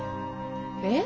えっ？